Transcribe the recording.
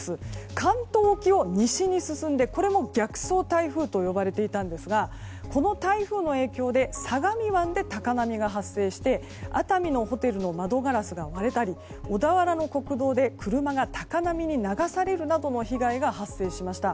関東沖を西に進んでこれも逆走台風と呼ばれていたんですがこの台風の影響で相模湾で高波が発生して、熱海のホテルの窓ガラスが割れたり小田原の国道で車が高波に流されるなどの被害が発生しました。